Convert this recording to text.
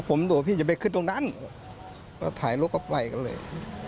ผมดูว่าพี่จะไปขึ้นตรงนั้นแล้วถ่ายรูปก็ไปกันเลย